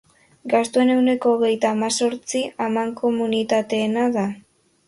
Gastuen ehuneko hogeita hamazortzi mankomunitateena da.